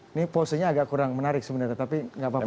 ini posenya agak kurang menarik sebenarnya tapi nggak apa apa